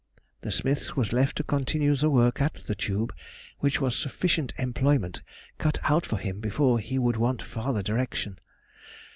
The smith was left to continue to work at the tube, which was sufficient employment cut out for him before he would want farther direction.